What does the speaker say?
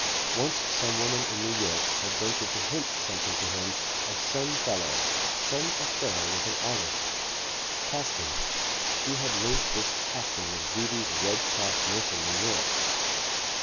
Once some woman in New York had ventured to hint something to him of some fellow, some affair with an artist, Caston; she had linked this Caston with V.V.'s red cross nursing in Europe....